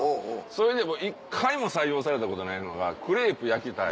それで１回も採用されたことないのが「クレープ焼きたい」。